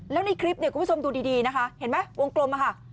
แล้วในคลิปเนี่ยคุณผู้ชมดูดีนะคะเห็นไหมวงกลมค่ะ